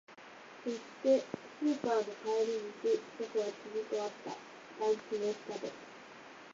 そして、スーパーの帰り道、僕は君と会った。団地の下で。